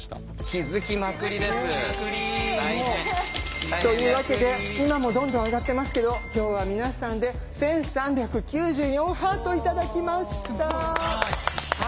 気づきまくり。というわけで今もどんどん上がってますけど今日は皆さんで１，３９４ハート頂きました！